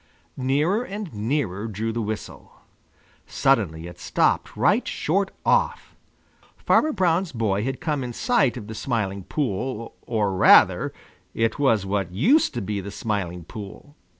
Nearer and nearer drew the whistle. Suddenly it stopped right short off. Farmer Brown's boy had come in sight of the Smiling Pool or rather, it was what used to be the Smiling Pool.